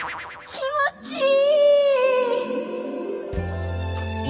気持ちいい！